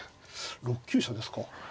６九飛車ですか。